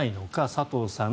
佐藤さん。